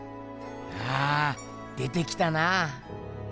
ああ出てきたなぁ。